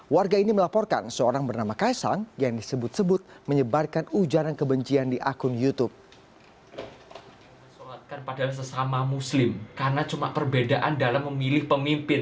warga ini melaporkan seorang bernama kaisang yang disebut sebut menyebarkan ujaran kebencian di akun youtube